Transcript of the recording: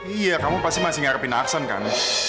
iya kamu pasti masih ngarapin aksen kan